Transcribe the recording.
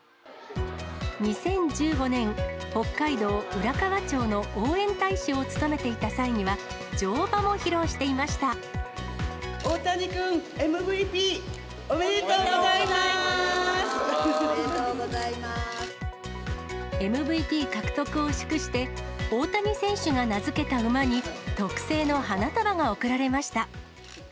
２０１５年、北海道浦河町の応援大使を務めていた際には、乗馬も披露していま大谷君、ＭＶＰ獲得を祝して、大谷選手が名付けた馬に、特製の花束が贈られました。